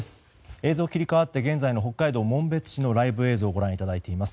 映像切り替わって現在の北海道紋別市のライブ映像をご覧いただいています。